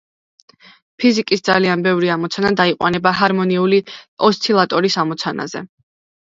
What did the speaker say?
ფიზიკის ძალიან ბევრი ამოცანა დაიყვანება ჰარმონიული ოსცილატორის ამოცანაზე.